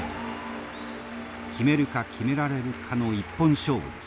決めるか決められるかの一本勝負です。